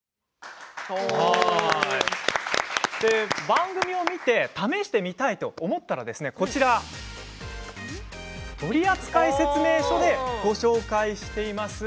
番組を見て試してみたいと思ったらこちら、取扱説明書でご紹介しています。